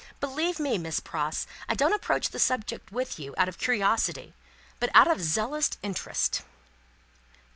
Believe me, Miss Pross, I don't approach the topic with you, out of curiosity, but out of zealous interest."